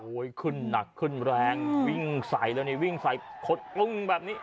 ขึ้นหนักขึ้นแรงวิ่งใสเลยนี่วิ่งใส่คดกุ้งแบบนี้